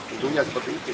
untungnya seperti itu